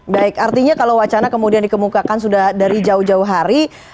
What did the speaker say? baik artinya kalau wacana kemudian dikemukakan sudah dari jauh jauh hari